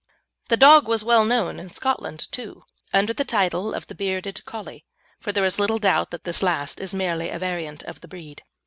The dog was well known in Scotland, too, under the title of the Bearded Collie, for there is little doubt that this last is merely a variant of the breed.